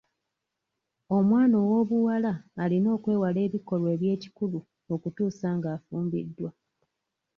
Omwana ow'obuwala alina okwewala ebikolwa eby'ekikulu okutuusa ng'afumbiddwa.